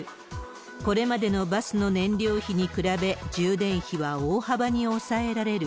これまでのバスの燃料費に比べ、充電費は大幅に抑えられる。